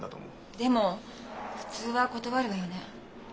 でも普通は断るわよね。